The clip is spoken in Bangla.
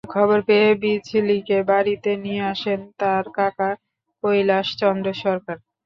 খবর পেয়ে বিজলীকে বাড়িতে নিয়ে আসেন তাঁর কাকা কৈলাস চন্দ্র সরকার।